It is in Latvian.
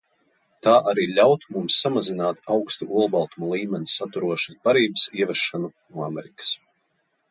Tā arī ļautu mums samazināt augstu olbaltuma līmeni saturošas barības ievešanu no Amerikas.